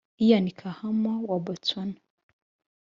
Ian Khama wa Botswana